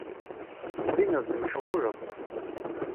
Tettbineḍ-d mecɣuleḍ.